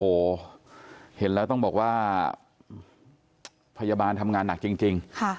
โอ้โหเห็นแล้วต้องบอกว่าพยาบาลทำงานหนักจริง